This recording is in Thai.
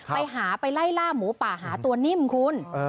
ไปหาไปไล่ล่าหมูป่าหาตัวนิ่มคุณ